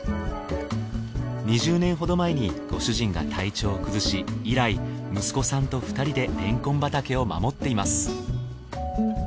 ２０年ほど前にご主人が体調を崩し以来息子さんと２人でれんこん畑を守っています